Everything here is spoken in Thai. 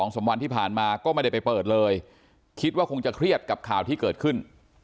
๒๓วันที่ผ่านมาก็ไม่ได้ไปเปิดเลยคิดว่าคงจะเครียดกับข่าวที่เกิดขึ้น